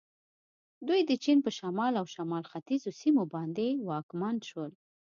دوی د چین په شمال او شمال ختیځو سیمو باندې واکمن شول.